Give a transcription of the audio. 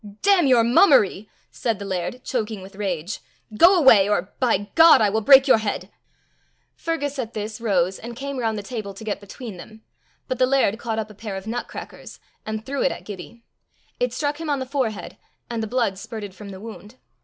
"Damn your mummery!" said the laird, choking with rage. "Go away, or, by God! I will break your head." Fergus at this rose and came round the table to get between them. But the laird caught up a pair of nutcrackers, and threw it at Gibbie. It struck him on the forehead, and the blood spirted from the wound.